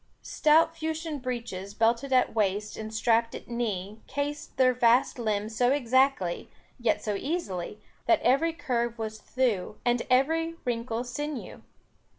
Stout fustian breeches, belted at waist, and strapped at knee, cased their vast limbs so exactly, yet so easily, that every curve was thew, and every wrinkle sinew.